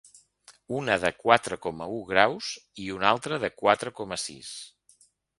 Una de quatre coma u graus i una altra de quatre coma sis.